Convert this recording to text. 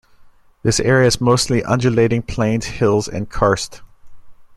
This area is mostly undulating plains, hills, and karst.